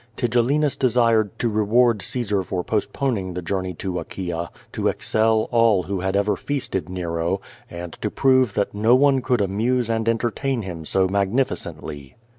Tigellinus desired to reward Caesar for post poning the journey to Achaia, to excel all who had ever feast ed Nero, and to prove that no one could amuse and entertain him so magnificently.